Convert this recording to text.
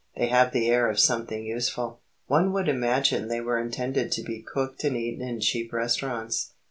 They have the air of something useful. One would imagine they were intended to be cooked and eaten in cheap restaurants.